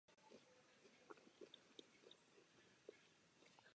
Jako delegát se zúčastnil kontinentálního kongresu a byl signatářem Deklarace nezávislosti.